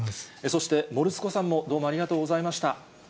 そして、もるすこさんもどうもありがとうございました。